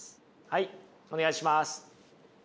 はいお願いします。